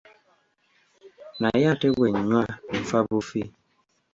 Naye ate bwe nnywa nfa bufi.